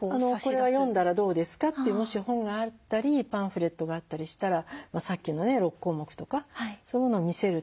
「これを読んだらどうですか？」ってもし本があったりパンフレットがあったりしたらさっきの６項目とかそういうものを見せるとか。